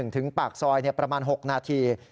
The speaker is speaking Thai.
ถึงปากซอยประมาณ๖นาที